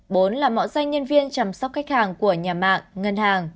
bốn là mạo danh nhân viên chăm sóc khách hàng của nhà mạng ngân hàng